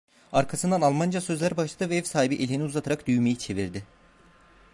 Arkasından Almanca sözler başladı ve ev sahibi elini uzatarak düğmeyi çevirdi.